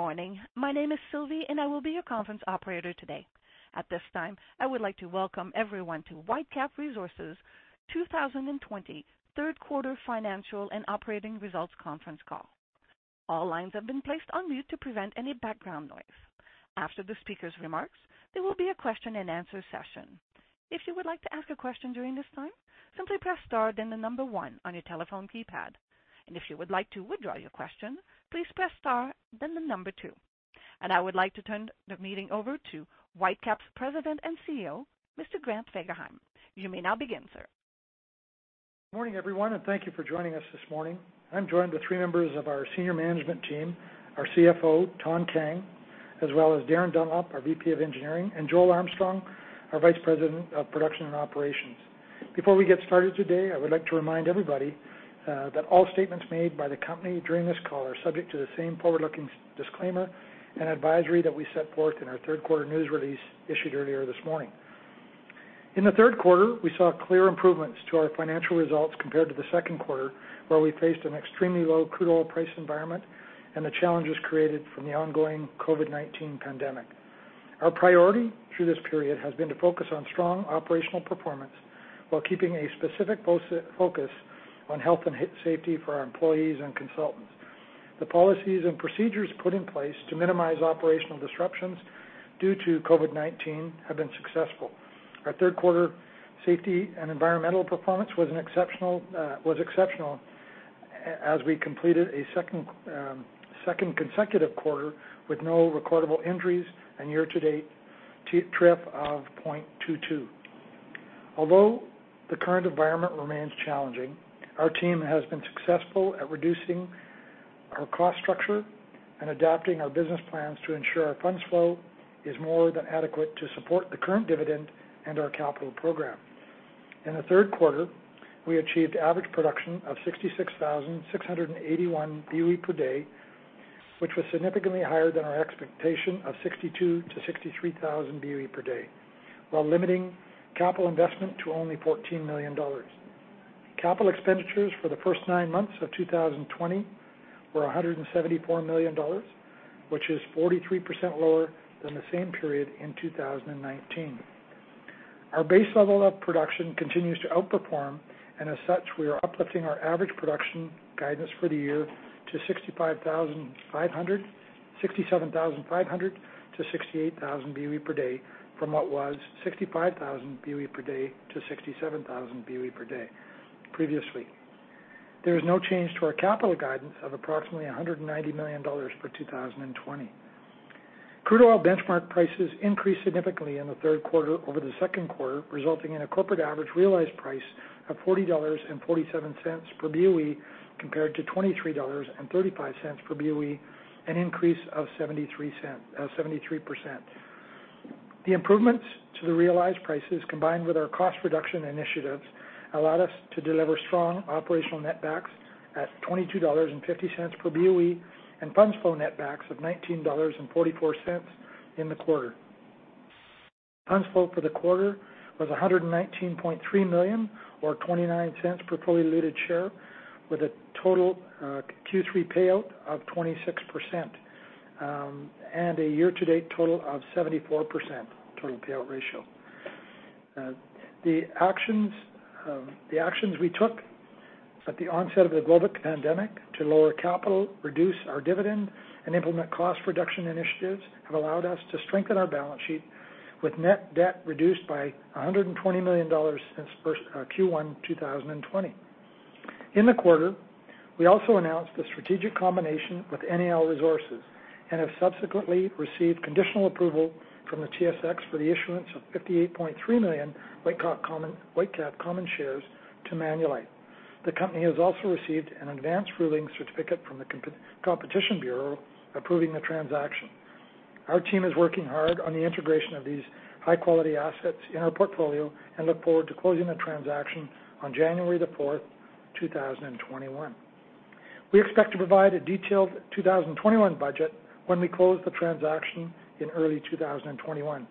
Good morning. My name is Sylvie, and I will be your conference operator today. At this time, I would like to welcome everyone to Whitecap Resources' 2020 Third Quarter Financial and Operating Results Conference Call. All lines have been placed on mute to prevent any background noise. After the speaker's remarks, there will be a question-and-answer session. If you would like to ask a question during this time, simply press star then the number one on your telephone keypad. If you would like to withdraw your question, please press star then the number two. I would like to turn the meeting over to Whitecap's President and CEO, Mr. Grant Fagerheim. You may now begin, sir. Good morning, everyone, and thank you for joining us this morning. I'm joined with three members of our senior management team, our CFO, Thanh Kang, as well as Darin Dunlop, our VP of Engineering, and Joel Armstrong, our Vice President of Production and Operations. Before we get started today, I would like to remind everybody that all statements made by the company during this call are subject to the same forward-looking disclaimer and advisory that we set forth in our third quarter news release issued earlier this morning. In the third quarter, we saw clear improvements to our financial results compared to the second quarter, where we faced an extremely low crude oil price environment and the challenges created from the ongoing COVID-19 pandemic. Our priority through this period has been to focus on strong operational performance while keeping a specific focus on health and safety for our employees and consultants. The policies and procedures put in place to minimize operational disruptions due to COVID-19 have been successful. Our third quarter safety and environmental performance was exceptional as we completed a second consecutive quarter with no recordable injuries and year-to-date TRIF of 0.22. Although the current environment remains challenging, our team has been successful at reducing our cost structure and adapting our business plans to ensure our funds flow is more than adequate to support the current dividend and our capital program. In the third quarter, we achieved average production of 66,681 BOE per day, which was significantly higher than our expectation of 62 to 63 thousand BOE per day, while limiting capital investment to only 14 million dollars. Capital expenditures for the first nine months of 2020 were 174 million dollars, which is 43% lower than the same period in 2019. Our base level of production continues to outperform, and as such, we are uplifting our average production guidance for the year to 65,500, 67,500 to 68,000 BOE per day from what was 65,000 BOE per day to 67,000 BOE per day previously. There is no change to our capital guidance of approximately 190 million dollars for 2020. Crude oil benchmark prices increased significantly in the third quarter over the second quarter, resulting in a corporate average realized price of 40.47 dollars per BOE compared to 23.35 dollars per BOE, an increase of 73%. The improvements to the realized prices, combined with our cost reduction initiatives, allowed us to deliver strong operational netbacks at 22.50 dollars per BOE and funds flow netbacks of 19.44 dollars in the quarter. Funds flow for the quarter was 119.3 million or 0.29 per fully diluted share, with a total Q3 payout of 26% and a year-to-date total of 74% total payout ratio. The actions we took at the onset of the global pandemic to lower capital, reduce our dividend, and implement cost reduction initiatives have allowed us to strengthen our balance sheet with net debt reduced by 120 million dollars since Q1 2020. In the quarter, we also announced the strategic combination with NAL Resources and have subsequently received conditional approval from the TSX for the issuance of 58.3 million Whitecap Common Shares to Manulife. The company has also received an advance ruling certificate from the Competition Bureau approving the transaction. Our team is working hard on the integration of these high-quality assets in our portfolio and look forward to closing the transaction on January the 4th, 2021. We expect to provide a detailed 2021 budget when we close the transaction in early 2021.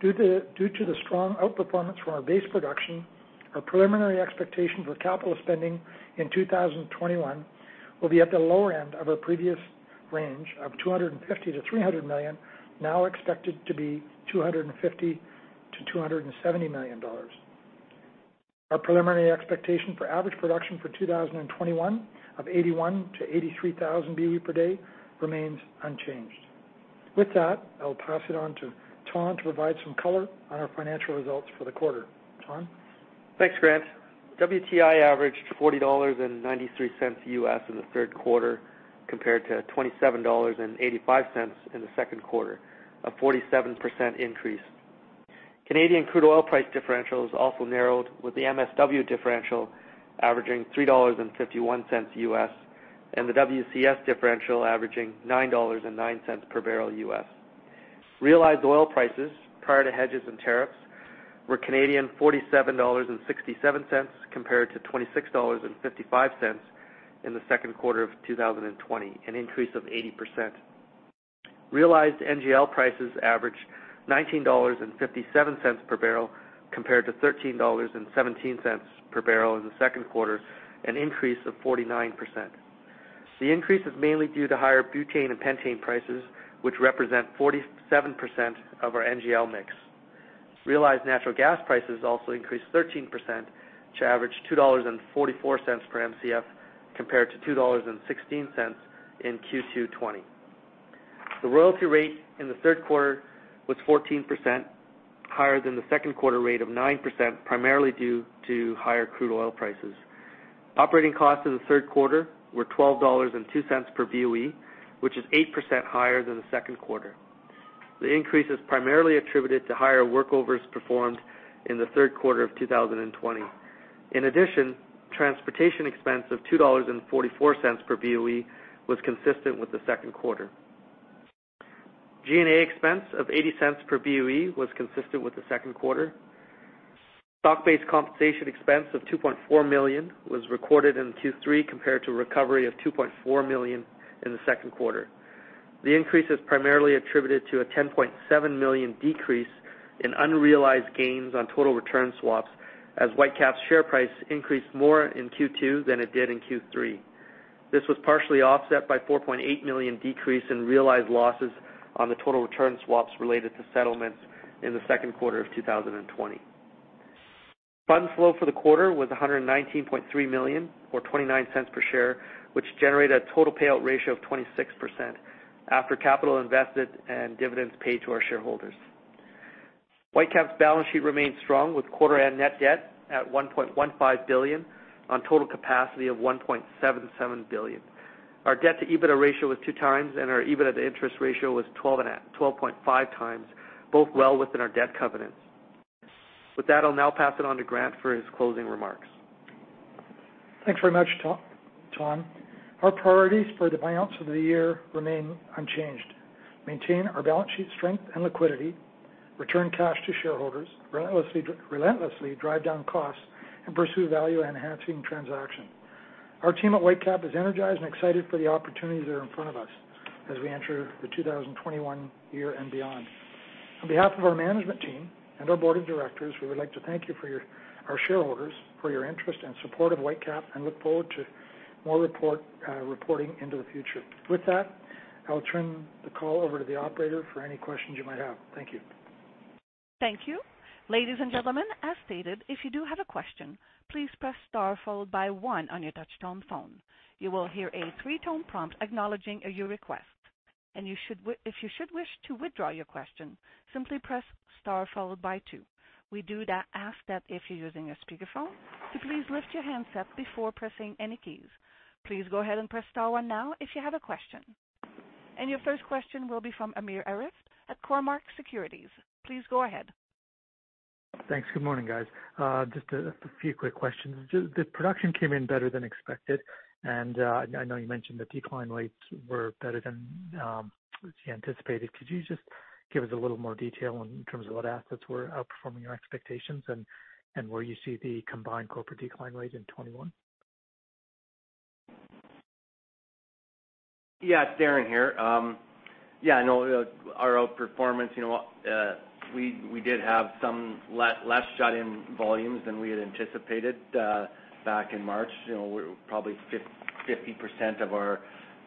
Due to the strong outperformance from our base production, our preliminary expectation for capital spending in 2021 will be at the lower end of our previous range of 250 million-300 million, now expected to be 250 million-270 million dollars. Our preliminary expectation for average production for 2021 of 81-83 thousand BOE per day remains unchanged. With that, I will pass it on to Thanh to provide some color on our financial results for the quarter. Thanh. Thanks, Grant. WTI averaged $40.93 in the third quarter compared to $27.85 in the second quarter, a 47% increase. Canadian crude oil price differentials also narrowed with the MSW differential averaging $3.51 and the WCS differential averaging $9.09 per barrel. Realized oil prices prior to hedges and tariffs were 47.67 Canadian dollars compared to 26.55 dollars in the second quarter of 2020, an increase of 80%. Realized NGL prices averaged 19.57 dollars per barrel compared to 13.17 dollars per barrel in the second quarter, an increase of 49%. The increase is mainly due to higher butane and pentane prices, which represent 47% of our NGL mix. Realized natural gas prices also increased 13% to average 2.44 dollars per MCF compared to 2.16 dollars in Q2 2020. The royalty rate in the third quarter was 14%, higher than the second quarter rate of 9%, primarily due to higher crude oil prices. Operating costs in the third quarter were 12.02 dollars per BOE, which is 8% higher than the second quarter. The increase is primarily attributed to higher workovers performed in the third quarter of 2020. In addition, transportation expense of 2.44 dollars per BOE was consistent with the second quarter. G&A expense of 0.80 per BOE was consistent with the second quarter. Stock-based compensation expense of 2.4 million was recorded in Q3 compared to a recovery of 2.4 million in the second quarter. The increase is primarily attributed to a 10.7 million decrease in unrealized gains on total return swaps as Whitecap's share price increased more in Q2 than it did in Q3. This was partially offset by a 4.8 million decrease in realized losses on the total return swaps related to settlements in the second quarter of 2020. Funds flow for the quarter was 119.3 million or 0.29 per share, which generated a total payout ratio of 26% after capital invested and dividends paid to our shareholders. Whitecap's balance sheet remained strong with quarter-end net debt at 1.15 billion on total capacity of 1.77 billion. Our debt-to-EBITDA ratio was two times, and our EBITDA-to-interest ratio was 12.5 times, both well within our debt covenants. With that, I'll now pass it on to Grant for his closing remarks. Thanks very much, Thanh. Our priorities for the financials of the year remain unchanged: maintain our balance sheet strength and liquidity, return cash to shareholders, relentlessly drive down costs, and pursue value-enhancing transactions. Our team at Whitecap is energized and excited for the opportunities that are in front of us as we enter the 2021 year and beyond. On behalf of our management team and our board of directors, we would like to thank you, our shareholders, for your interest and support of Whitecap and look forward to more reporting into the future. With that, I will turn the call over to the operator for any questions you might have. Thank you. Thank you. Ladies and gentlemen, as stated, if you do have a question, please press star followed by one on your touch-tone phone. You will hear a three-tone prompt acknowledging your request. And if you should wish to withdraw your question, simply press star followed by two. We do ask that if you're using a speakerphone to please lift your handset before pressing any keys. Please go ahead and press star one now if you have a question. And your first question will be from Amir Arif at Cormark Securities. Please go ahead. Thanks. Good morning, guys. Just a few quick questions. The production came in better than expected, and I know you mentioned the decline rates were better than anticipated. Could you just give us a little more detail in terms of what assets were outperforming your expectations and where you see the combined corporate decline rate in 2021? Yeah, Darin here. Yeah, I know our outperformance. We did have some less shut-in volumes than we had anticipated back in March. Probably 50%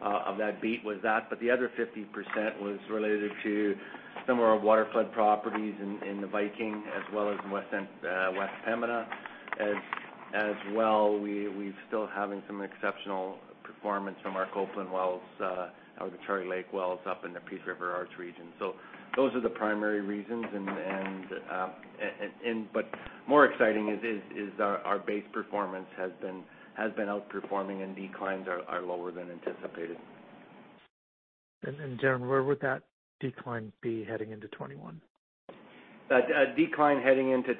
of that beat was that, but the other 50% was related to some of our waterflood properties in the Viking as well as West Pembina. As well, we're still having some exceptional performance from our Coupland wells, our Detrital, Charlie Lake wells up in the Peace River Arch region. So those are the primary reasons, but more exciting is our base performance has been outperforming and declines are lower than anticipated. Darin, where would that decline be heading into 2021? That decline heading into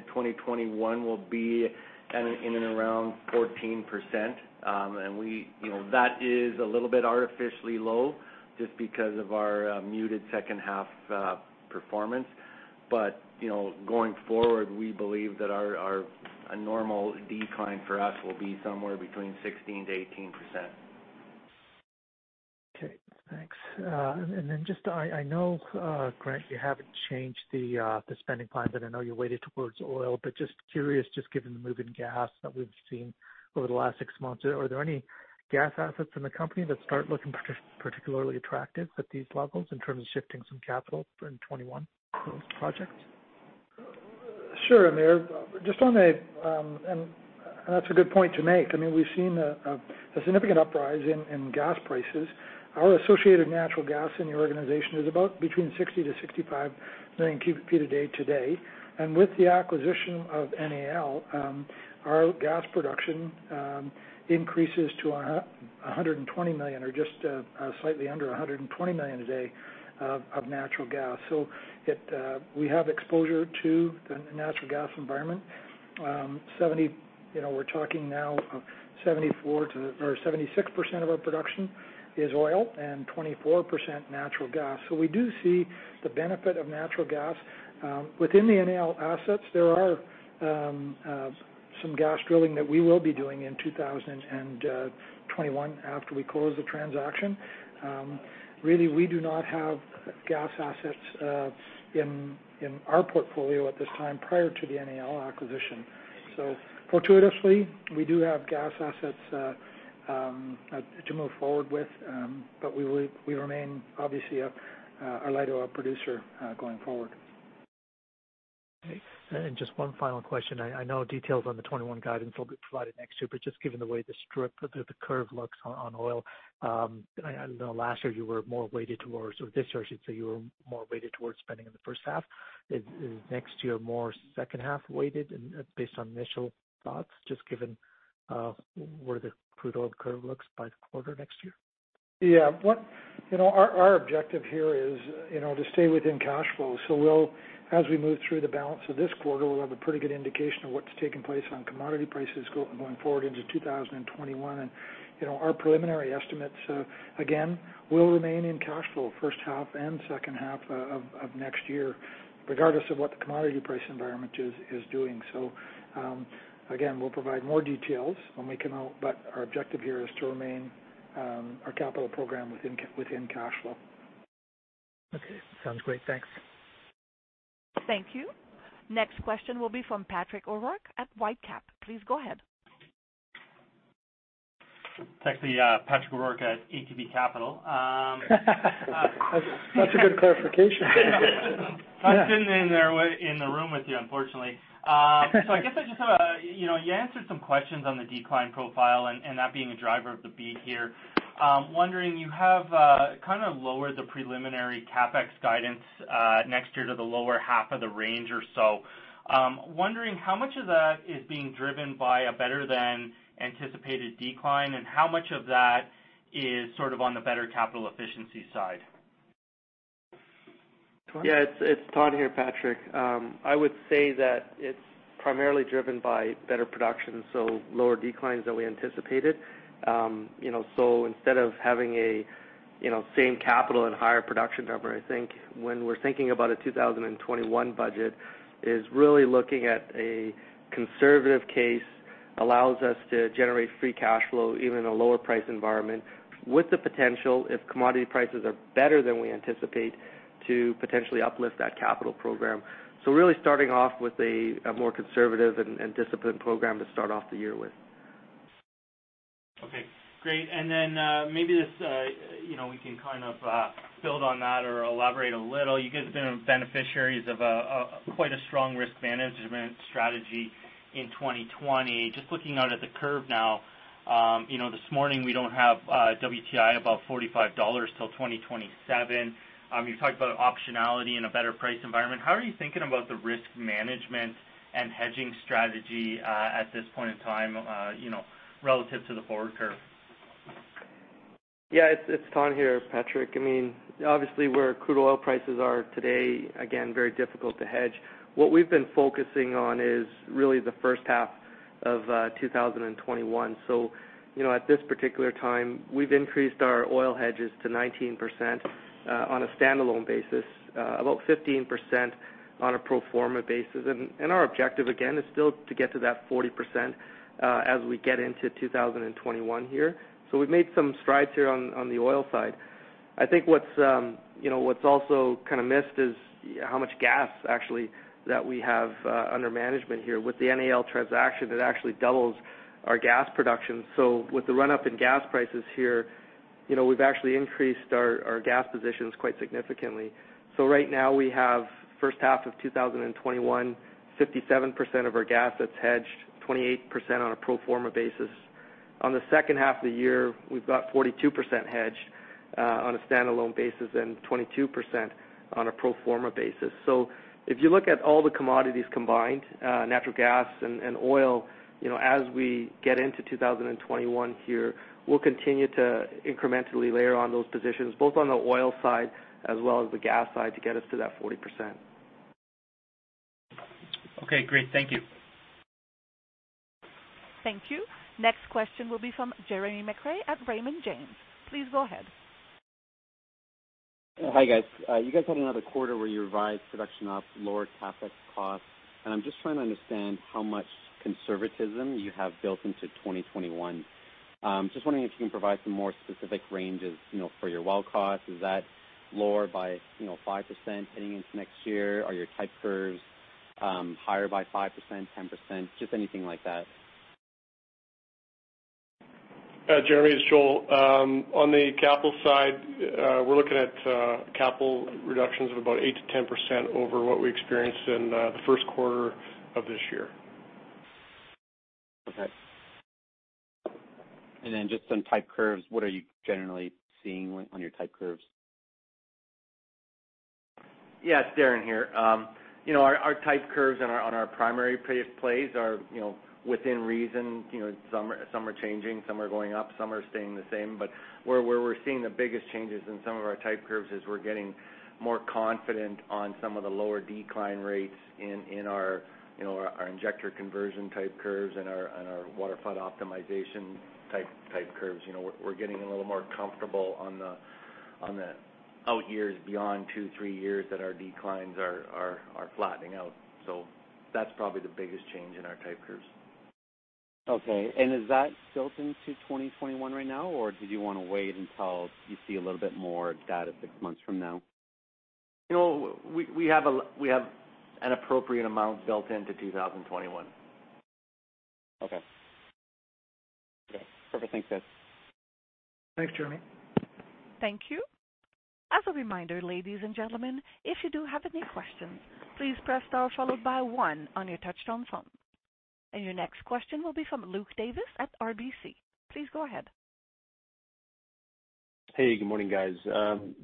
2021 will be in and around 14%, and that is a little bit artificially low just because of our muted second half performance. But going forward, we believe that our normal decline for us will be somewhere between 16%-18%. Okay. Thanks. And then just I know, Grant, you haven't changed the spending plans, and I know you're weighted towards oil, but just curious, just given the moving gas that we've seen over the last six months, are there any gas assets in the company that start looking particularly attractive at these levels in terms of shifting some capital in 2021 for those projects? Sure, Amir. Just on a—and that's a good point to make. I mean, we've seen a significant uprise in gas prices. Our associated natural gas in the organization is about between 60-65 million cubic feet a day today. And with the acquisition of NAL, our gas production increases to 120 million or just slightly under 120 million a day of natural gas. So we have exposure to the natural gas environment. We're talking now 74%-76% of our production is oil and 24% natural gas. So we do see the benefit of natural gas. Within the NAL assets, there are some gas drilling that we will be doing in 2021 after we close the transaction. Really, we do not have gas assets in our portfolio at this time prior to the NAL acquisition. So fortuitously, we do have gas assets to move forward with, but we remain, obviously, a light oil producer going forward. Okay. And just one final question. I know details on the 2021 guidance will be provided next year, but just given the way the curve looks on oil, I know last year you were more weighted towards—or this year, I should say you were more weighted towards spending in the first half. Is next year more second half weighted based on initial thoughts, just given where the crude oil curve looks by the quarter next year? Yeah. Our objective here is to stay within cash flow. So as we move through the balance of this quarter, we'll have a pretty good indication of what's taking place on commodity prices going forward into 2021. And our preliminary estimates, again, will remain in cash flow first half and second half of next year, regardless of what the commodity price environment is doing. So again, we'll provide more details when we come out, but our objective here is to remain our capital program within cash flow. Okay. Sounds great. Thanks. Thank you. Next question will be from Patrick O'Rourke at Whitecap. Please go ahead. Thank you, Patrick O'Rourke at ATB Capital. That's a good clarification. I've been in the room with you, unfortunately. So I guess I just have a—you answered some questions on the decline profile and that being a driver of the beat here. Wondering, you have kind of lowered the preliminary CapEx guidance next year to the lower half of the range or so. Wondering, how much of that is being driven by a better-than-anticipated decline, and how much of that is sort of on the better capital efficiency side? Yeah. It's Thanh here, Patrick. I would say that it's primarily driven by better production, so lower declines than we anticipated. So instead of having a same capital and higher production number, I think when we're thinking about a 2021 budget, is really looking at a conservative case allows us to generate free cash flow even in a lower price environment with the potential, if commodity prices are better than we anticipate, to potentially uplift that capital program. So really starting off with a more conservative and disciplined program to start off the year with. Okay. Great. And then maybe we can kind of build on that or elaborate a little. You guys have been beneficiaries of quite a strong risk management strategy in 2020. Just looking out at the curve now, this morning we don't have WTI above $45 till 2027. You talked about optionality in a better price environment. How are you thinking about the risk management and hedging strategy at this point in time relative to the forward curve? Yeah. It's Thanh here, Patrick. I mean, obviously, where crude oil prices are today, again, very difficult to hedge. What we've been focusing on is really the first half of 2021. So at this particular time, we've increased our oil hedges to 19% on a standalone basis, about 15% on a pro forma basis. And our objective, again, is still to get to that 40% as we get into 2021 here. So we've made some strides here on the oil side. I think what's also kind of missed is how much gas actually that we have under management here. With the NAL transaction, it actually doubles our gas production. So with the run-up in gas prices here, we've actually increased our gas positions quite significantly. So right now we have, first half of 2021, 57% of our gas that's hedged, 28% on a pro forma basis. On the second half of the year, we've got 42% hedged on a standalone basis and 22% on a pro forma basis. So if you look at all the commodities combined, natural gas and oil, as we get into 2021 here, we'll continue to incrementally layer on those positions, both on the oil side as well as the gas side to get us to that 40%. Okay. Great. Thank you. Thank you. Next question will be from Jeremy McCrea at Raymond James. Please go ahead. Hi, guys. You guys had another quarter where you revised production up, lowered CapEx costs, and I'm just trying to understand how much conservatism you have built into 2021. Just wondering if you can provide some more specific ranges for your well costs. Is that lower by 5% heading into next year? Are your type curves higher by 5%, 10%, just anything like that? Jeremy is Joel. On the capital side, we're looking at capital reductions of about 8%-10% over what we experienced in the first quarter of this year. Okay. And then just on type curves, what are you generally seeing on your type curves? Yeah. It's Darin here. Our type curves on our primary plays are within reason. Some are changing, some are going up, some are staying the same. But where we're seeing the biggest changes in some of our type curves is we're getting more confident on some of the lower decline rates in our injector conversion type curves and our waterflood optimization type curves. We're getting a little more comfortable on the out years beyond two, three years that our declines are flattening out. So that's probably the biggest change in our type curves. Okay. And is that built into 2021 right now, or did you want to wait until you see a little bit more data six months from now? We have an appropriate amount built into 2021. Okay. Okay. Perfect. Thanks, guys. Thanks, Jeremy. Thank you. As a reminder, ladies and gentlemen, if you do have any questions, please press star followed by one on your touch-tone phone. And your next question will be from Luke Davis at RBC. Please go ahead. Hey. Good morning, guys.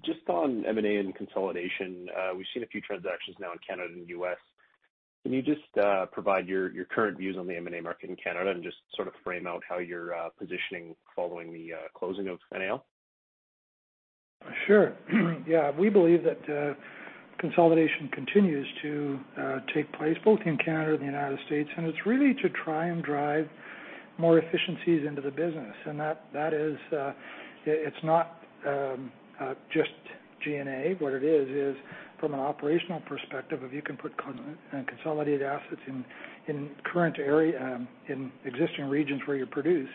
Just on M&A and consolidation, we've seen a few transactions now in Canada and the U.S. Can you just provide your current views on the M&A market in Canada and just sort of frame out how you're positioning following the closing of NAL? Sure. Yeah. We believe that consolidation continues to take place both in Canada and the United States, and it's really to try and drive more efficiencies into the business. That is, it's not just G&A. What it is, is from an operational perspective, if you can put consolidated assets in existing regions where you produce,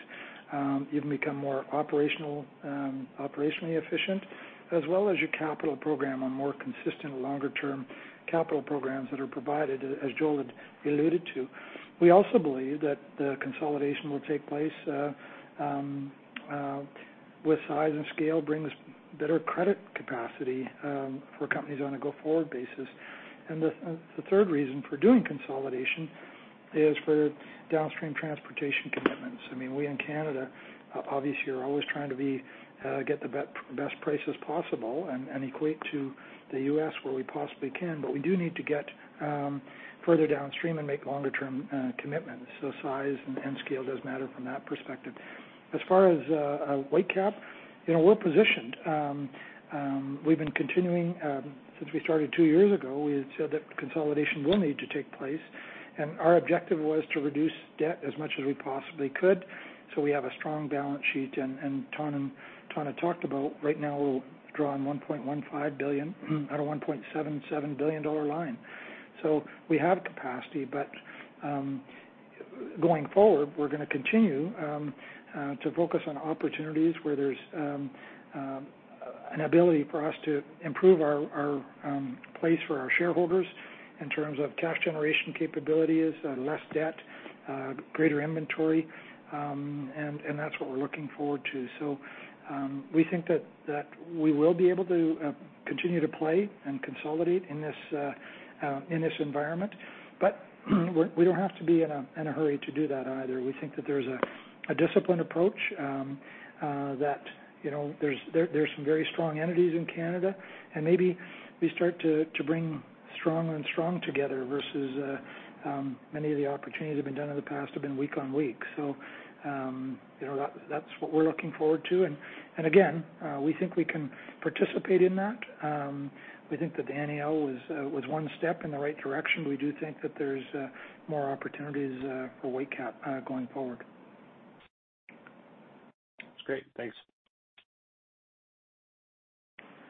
you can become more operationally efficient, as well as your capital program on more consistent, longer-term capital programs that are provided, as Joel alluded to. We also believe that the consolidation will take place with size and scale brings better credit capacity for companies on a go-forward basis. The third reason for doing consolidation is for downstream transportation commitments. I mean, we in Canada, obviously, are always trying to get the best prices possible and equate to the U.S. where we possibly can, but we do need to get further downstream and make longer-term commitments, so size and scale does matter from that perspective. As far as Whitecap, we're positioned. We've been continuing since we started two years ago. We said that consolidation will need to take place, and our objective was to reduce debt as much as we possibly could so we have a strong balance sheet, and Thanh talked about right now we'll draw on 1.15 billion at a 1.77 billion dollar line. So we have capacity, but going forward, we're going to continue to focus on opportunities where there's an ability for us to improve our plays for our shareholders in terms of cash generation capabilities, less debt, greater inventory, and that's what we're looking forward to. So we think that we will be able to continue to play and consolidate in this environment, but we don't have to be in a hurry to do that either. We think that there's a disciplined approach, there's some very strong entities in Canada, and maybe we start to bring strong and strong together versus many of the opportunities that have been done in the past have been weak on weak. So that's what we're looking forward to. And again, we think we can participate in that. We think that the NAL was one step in the right direction. We do think that there's more opportunities for Whitecap going forward. That's great. Thanks.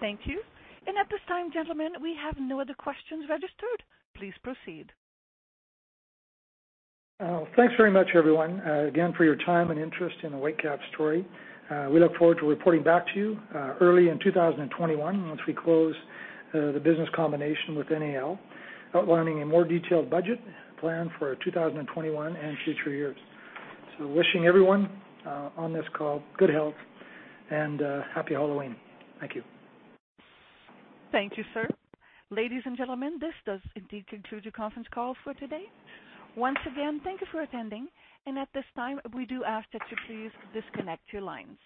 Thank you. And at this time, gentlemen, we have no other questions registered. Please proceed. Thanks very much, everyone, again for your time and interest in the Whitecap story. We look forward to reporting back to you early in 2021 once we close the business combination with NAL, outlining a more detailed budget plan for 2021 and future years. So, wishing everyone on this call good health and happy Halloween. Thank you. Thank you, sir. Ladies and gentlemen, this does indeed conclude the conference call for today. Once again, thank you for attending, and at this time, we do ask that you please disconnect your lines.